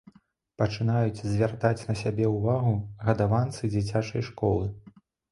Пачынаюць звяртаць на сябе ўвагу гадаванцы дзіцячай школы.